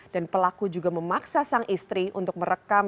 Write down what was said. dan pelaku juga memaksa sang istri untuk merekam